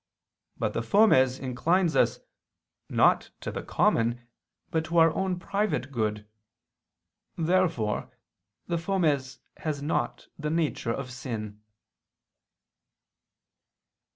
But the fomes inclines us, not to the common, but to our own private good. Therefore the fomes has not the nature of sin.